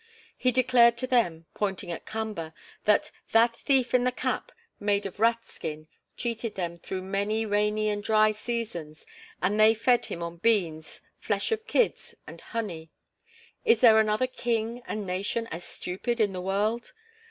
He declared to them, pointing at Kamba, that "that thief in the cap made of rat's skin" cheated them through many rainy and dry seasons and they fed him on beans, flesh of kids, and honey. Is there another king and nation as stupid in the world?